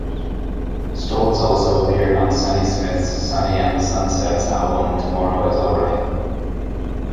Stoltz also appeared on Sonny Smith's Sonny and the Sunsets album "Tomorrow is Alright".